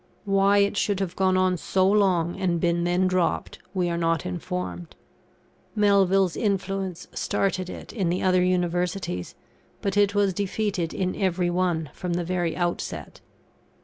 Why it should have gone on so long, and been then dropt, we are not informed. Melville's influence started it in the other Universities, but it was defeated in every one from the very outset.